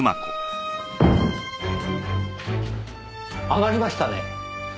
上がりましたね。